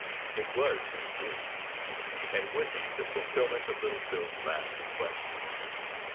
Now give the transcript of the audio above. It was his due, and would be the fulfilment of little Phil's last request.